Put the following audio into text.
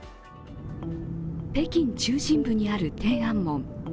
北京中心部にある天安門。